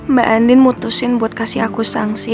mbak andin mutusin buat kasih aku sanksi